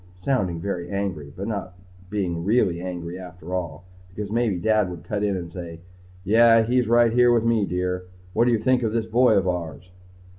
_ Sounding very angry but not being really angry after all. Because maybe Dad would cut in and say, _Yeah, he's right here with me, dear. What do you think of this boy of ours?